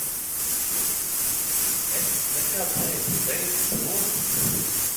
Es nekad neesmu teicis runu.